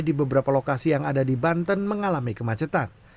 di beberapa lokasi yang ada di banten mengalami kemacetan